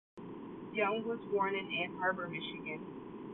Young was born in Ann Arbor, Michigan.